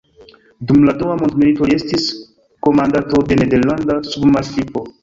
Dum la Dua Mondmilito li estis komandanto de nederlanda submarŝipo.